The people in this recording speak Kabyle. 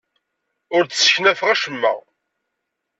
Ur d-sseknafeɣ acemma.